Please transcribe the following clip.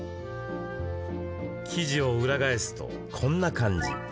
生地を裏返すと、こんな感じ。